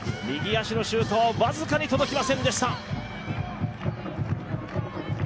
右足のシュートは僅かに届きませんでした。